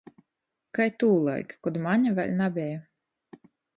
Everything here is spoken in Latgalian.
Kai tūlaik, kod mane vēļ nabeja.